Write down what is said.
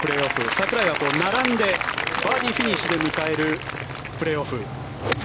櫻井は並んでバーディーフィニッシュで迎えるプレーオフ。